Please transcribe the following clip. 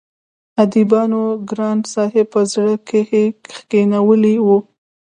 اديبانو ګران صاحب په زړه کښې کښينولی وو